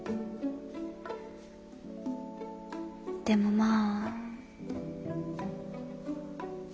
でもまあ。